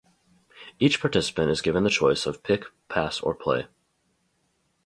Each participant is given the choice of "pick, pass, or play".